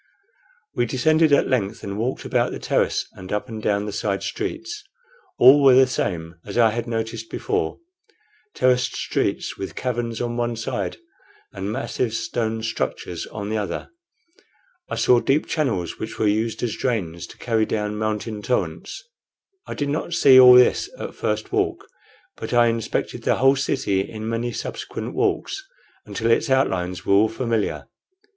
We descended at length and walked about the terrace and up and down the side streets. All were the same as I had noticed before terraced streets, with caverns on one side and massive stone structures on the other. I saw deep channels, which were used as drains to carry down mountain torrents. I did not see all at this first walk, but I inspected the whole city in many subsequent walks until its outlines were all familiar.